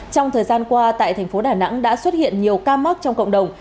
trong thời gian qua tại thành phố đà nẵng đã xuất hiện nhiều ca mắc trong cộng đồng